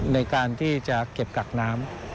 ในการที่จะเก็บกักน้ำ